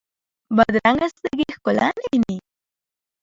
بدرنګه سترګې ښکلا نه ویني